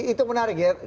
itu menarik ya